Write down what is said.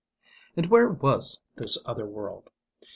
And where was this other world?